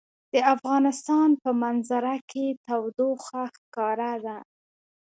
د افغانستان په منظره کې تودوخه ښکاره ده.